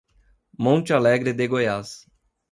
Monte Alegre de Goiás